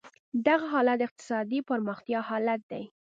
دغه حالت د اقتصادي پرمختیا حالت دی.